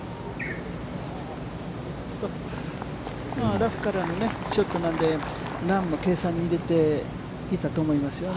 ラフからのショットなのでランも計算に入れていたと思いますよ。